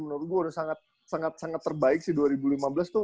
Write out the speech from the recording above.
menurut gue udah sangat sangat terbaik sih dua ribu lima belas tuh